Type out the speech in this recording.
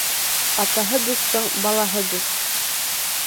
Атаһы дуҫтың балаһы дуҫ.